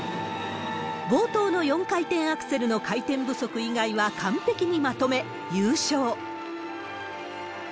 冒頭の４回転アクセルの回転不足以外は完璧にまとめ、優勝。